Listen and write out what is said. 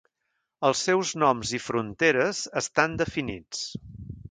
Els seus noms i fronteres estan definits.